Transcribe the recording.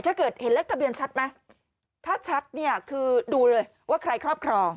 ถ้าเกิดเห็นเลขทะเบียนชัดไหมถ้าชัดเนี่ยคือดูเลยว่าใครครอบครอง